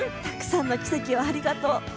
たくさんの奇跡をありがとう。